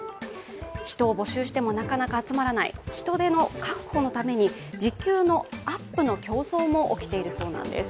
人を募集してもなかなか集まらない、人手確保のために時給のアップの競争も起きているそうなんです。